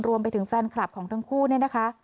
รวมไปถึงแฟนคลับของทั้งคู่เนี่ยนะคะ